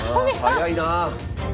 早いな。